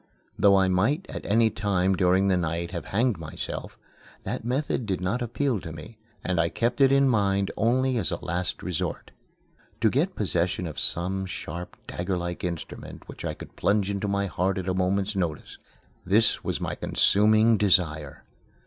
Though I might at any time during the night have hanged myself, that method did not appeal to me, and I kept it in mind only as a last resort. To get possession of some sharp dagger like instrument which I could plunge into my heart at a moment's notice this was my consuming desire.